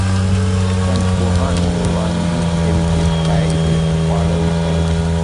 ساینسپوهان وړاندیز کوي چې فایبر خواړه وخوړل شي.